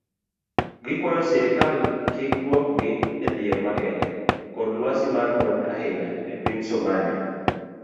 Gikwayo sirkal kik duokogi edhier makende kod lwasi mar monj ahinya epiny somalia.